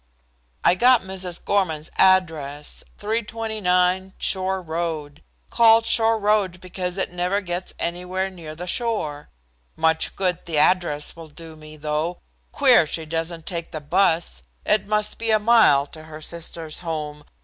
I got Mrs. Gorman's address, 329 Shore Road, called Shore Road because it never gets anywhere near the shore. Much good the address will do me, though. Queer she doesn't take the bus. It must be a mile to her sister's home.